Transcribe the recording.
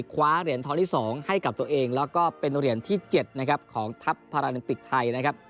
คว้าเหรียญทองที่๒ให้กับตัวเองแล้วก็เป็นเหรียญที่๗นะครับของทัพพาราลิมปิกไทยนะครับ